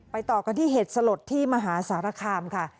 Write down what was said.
ต่อกันที่เหตุสลดที่มหาสารคามค่ะ